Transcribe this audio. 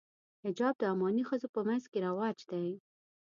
حجاب د عماني ښځو په منځ کې رواج دی.